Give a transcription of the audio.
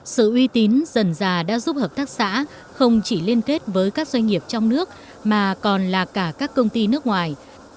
sự uy tín dần già đã giúp hợp tác xã không chỉ liên kết với các doanh nghiệp trong nước mà còn là cả các công ty nước ngoài